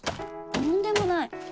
とんでもない。